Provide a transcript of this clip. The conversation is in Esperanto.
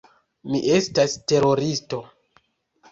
Mi estas teroristo.